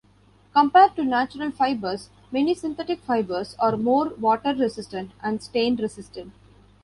Compared to natural fibers, many synthetic fibers are more water resistant and stain resistant.